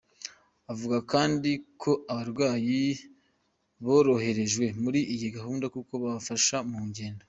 Avuga kandi ko abarwayi boroherejwe muri iyi gahunda kuko babafasha mu ngendo.